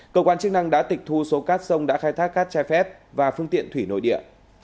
cơ quan chức năng đã tịch thu số cát sông đã khai thác cát trái phép và phương tiện thủy nội địa